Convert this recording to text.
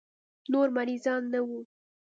نور مريضان نه وو.